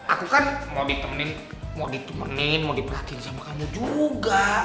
aku kan mau ditemenin mau diperhatiin sama kamu juga